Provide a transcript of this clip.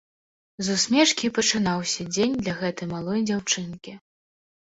З усмешкі і пачынаўся дзень для гэтай малой дзяўчынкі.